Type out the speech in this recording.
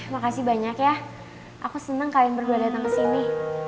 makasih banyak ya aku senang kalian berdua datang kesini